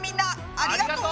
ありがとう！